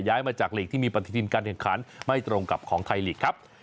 มาจากลีกที่มีปฏิทินการแข่งขันไม่ตรงกับของไทยลีกครับ